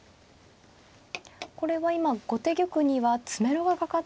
これは今後手玉には詰めろがかかっている状況ですね。